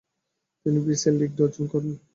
তিনি বিসিএল ডিগ্রিও অর্জন করেন।